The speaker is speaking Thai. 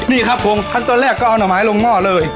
นี่ครับผมขั้นตอนแรกก็เอาห่อไม้ลงหม้อเลย